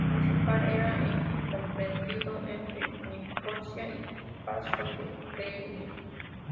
El principal era en comprendido entre Nicosia y el paso de Kyrenia.